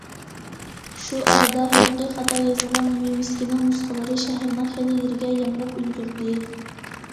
شۇ ئارىدا ھېلىقى خاتا يېزىلغان ۋىۋىسكىنىڭ نۇسخىلىرى شەھەرنىڭ خېلى يېرىگە يامراپ ئۈلگۈردى.